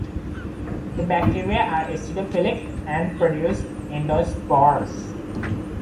The bacteria are acidophilic and produced endospores.